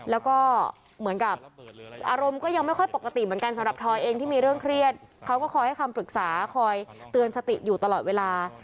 แล้วก็เหมือนกับอารมณ์ก็ยังไม่ค่อยปกติเหมือนกันสำหรับทอยเองที่มีเรื่องเครียดเขาก็คอยให้คำปรึกษาคอยเตือนสติอยู่ตลอดเวลา